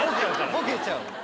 ボケちゃう。